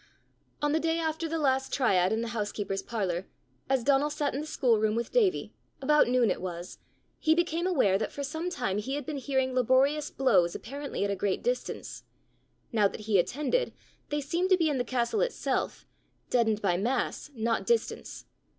On the day after the last triad in the housekeeper's parlour, as Donal sat in the schoolroom with Davie about noon it was he became aware that for some time he had been hearing laborious blows apparently at a great distance: now that he attended, they seemed to be in the castle itself, deadened by mass, not distance.